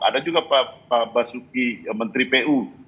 ada juga pak basuki menteri pu